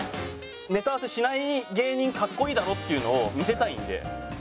「ネタ合わせしない芸人格好いいだろ？」っていうのを見せたいんで。